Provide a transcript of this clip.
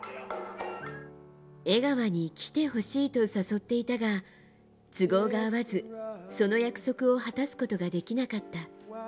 江川に来てほしいと誘っていたが都合が合わず、その約束を果たすことができなかった。